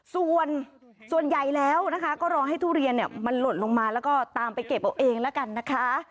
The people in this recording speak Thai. ส่วนส่วนใหญ่แล้วนะคะก็รอให้ทุเรียนมันหล่นลงมาแล้วก็ตามไปเก็บเอาเองแล้วกันนะคะ